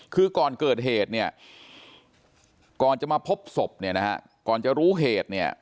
คือก่อนเกิดเหตุเนี่ยก่อนจะมาพบศพเนี่ยนะฮะก่อนจะรู้เหตุเนี่ย